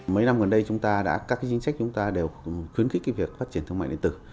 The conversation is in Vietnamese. mấy năm gần đây các chính sách chúng ta đều khuyến khích việc phát triển thương mại điện tử